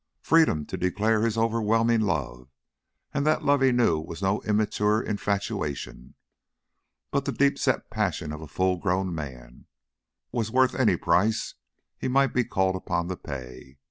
Freedom to declare his overwhelming love and that love he knew was no immature infatuation, but the deep set passion of a full grown man was worth any price he might be called upon to pay.